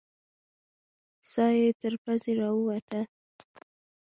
ساه يې تر پزې راووته.